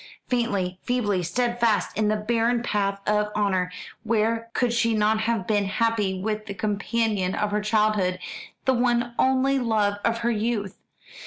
faintly, feebly steadfast in the barren path of honour: where could she not have been happy with the companion of her childhood, the one only love of her youth?